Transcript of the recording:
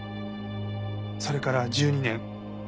それから１２年。